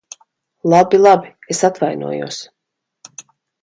Labi, labi. Es atvainojos.